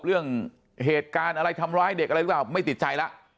เรื่องเหตุการณ์อะไรทำร้ายเด็กอะไรไม่ติดใจละ